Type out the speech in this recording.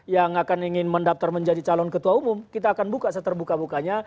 yang akan ingin mendaftar menjadi calon ketua umum kita akan buka seterbuka bukanya